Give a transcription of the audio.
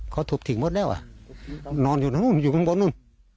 เขาถูกทิ้งหมดแล้วอ่ะนอนอยู่นู่นอยู่ข้างบนนู้น